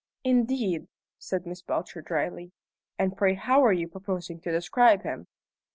"Indeed?" said Miss Belcher, dryly. "And pray how are you proposing to describe him?"